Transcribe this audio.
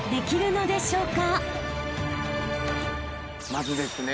まずですね